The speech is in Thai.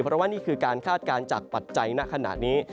เพราะว่านี่คือการคาดการณ์จากปัจจัยณขณะนี้